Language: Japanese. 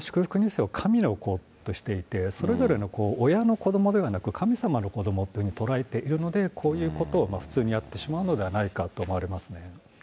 ２世を神の子としていて、それぞれの親の子どもではなく、神様の子どもというふうに捉えているので、こういうことを普通にやってしまうのではないかと思われますね。